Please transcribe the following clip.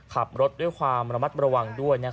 ขับรถด้วยความระมัดระวังด้วย